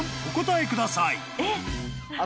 お答えください］